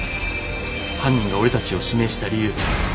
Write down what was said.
犯人が俺たちを指名した理由。